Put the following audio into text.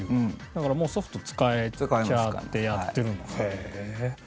だからもうソフト使っちゃってやってるんだ。